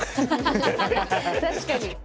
確かに。